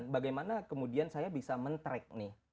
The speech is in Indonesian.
bagaimana kemudian saya bisa men track nih